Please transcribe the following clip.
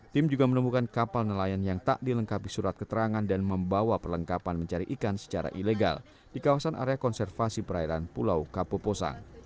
tim juga menemukan kapal nelayan yang tak dilengkapi surat keterangan dan membawa perlengkapan mencari ikan secara ilegal di kawasan area konservasi perairan pulau kapoposang